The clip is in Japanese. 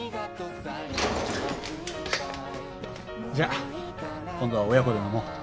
じゃあ今度は親子で飲もう。